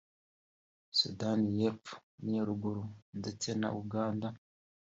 Sudani y’Epfo n’iya Ruguru ndetse na Uganda